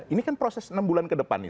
ini kan proses enam bulan ke depan nih